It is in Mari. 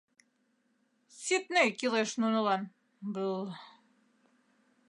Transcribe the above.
Сидней кӱлеш нунылан, бл..!